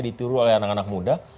ditiru oleh anak anak muda